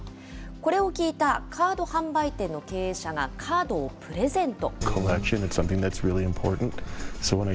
これを聞いたカード販売店の経営者がカードをプレゼント。